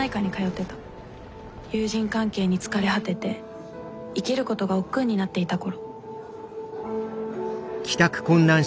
友人関係に疲れ果てて生きることがおっくうになっていた頃。